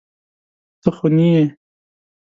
ته خوني يې.